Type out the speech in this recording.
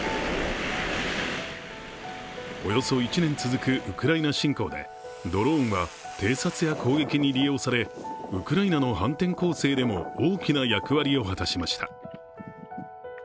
およそ１年続くウクライナ侵攻でドローンは偵察や攻撃に利用され、ウクライナの反転攻勢でも大きな役割を果たしました。